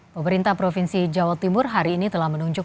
pemerintah provinsi jawa timur hari ini telah menunjuk